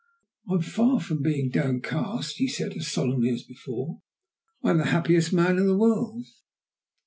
"I am far from being downcast," he said as solemnly as before. "I am the happiest man in the world.